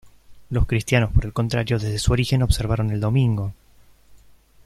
Los cristianos por el contrario desde su origen observaron el domingo.